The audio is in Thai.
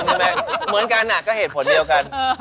ในวันก็เหตุผลเดียวกัน